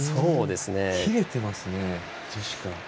切れてますね、ジェシカ。